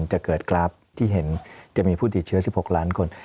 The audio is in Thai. จะเกิดกราฟที่เห็นจะมีผู้ติดเชื้อ๑๖ล้านคน